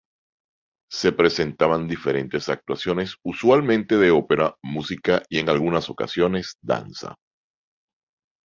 Se presentaban diferentes actuaciones usualmente de opera, música y en algunas ocasiones danza.